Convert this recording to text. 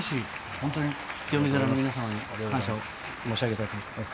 本当に清水寺の皆様に感謝を申し上げたいと思います。